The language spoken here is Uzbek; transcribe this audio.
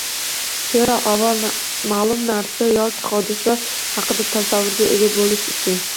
Zero, avval ma’lum narsa yoki hodisa haqida tasavvurga ega bo‘lish uchun